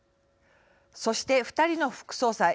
そして、２人の副総裁。